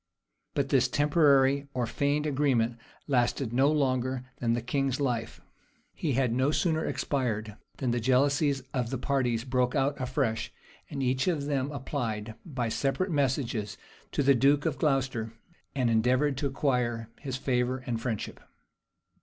But this temporary or feigned agreement lasted no longer than the king's life; he had no sooner expired, than the jealousies of the parties broke out afresh; and each of them applied, by separate messages, to the duke of Glocester, and endeavored to acquire his favor and friendship.